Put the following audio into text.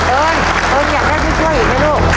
เอิญเอิ้นอยากได้ผู้ช่วยอีกไหมลูก